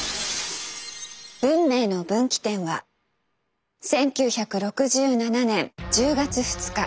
運命の分岐点は１９６７年１０月２日。